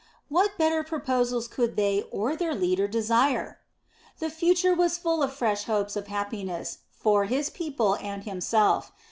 What better proposals could they or their leader desire? The future was full of fresh hopes of happiness for his people and himself.